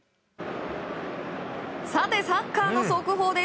さてサッカーの速報です。